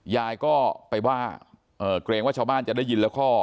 ยายก็ไปว่าเกรงว่าชาวบ้านจะได้ยินแล้วก็